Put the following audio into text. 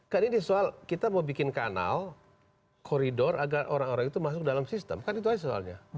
kan ini soal kita mau bikin kanal koridor agar orang orang itu masuk dalam sistem kan itu aja soalnya